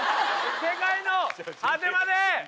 世界の果てまで。